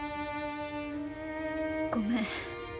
ごめん。